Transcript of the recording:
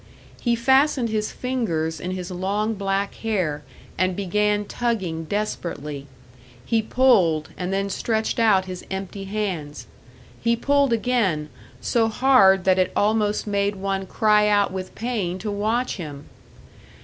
He fastened his fingers in his long black hair and began tugging desperately; he pulled, and then stretched out his empty hands; he pulled again, so hard that it almost made one cry out with pain to watch him.